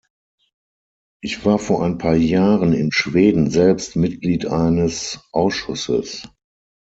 Ich war vor ein paar Jahren in Schweden selbst Mitglied eine Ausschusses.